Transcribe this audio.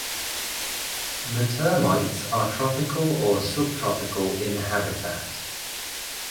The termites are tropical or subtropical in habitat.